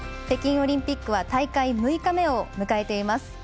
北京オリンピックは大会６日目を迎えています。